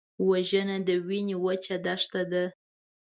وژنه د وینې وچه دښته ده